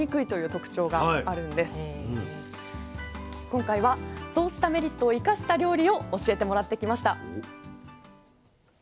今回はそうしたメリットを生かした料理を教えてもらってきました。